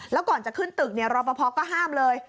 แล้วก่อนจะขึ้นตึกเนี่ยเราประพ็อก็ห้ามเลย